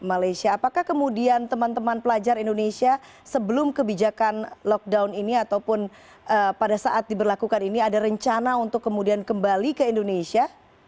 apakah kemudian teman teman pelajar indonesia sebelum kebijakan lockdown ini ataupun pada saat diberlakukan ini ada rencana untuk kemudian kembali ke indonesia